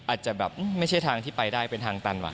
อาจจะแบบไม่ใช่ทางที่ไปได้เป็นทางตันว่